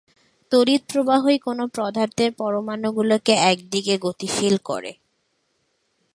তড়িৎপ্রবাহই কোন পদার্থের পরমাণুগুলিকে একদিকে গতিশীল করে।